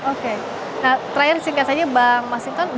oke nah terakhir singkat saja bang mas hinton